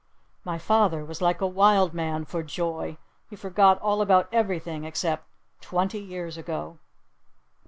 My father was like a wild man for joy! He forgot all about everything except "twenty years ago."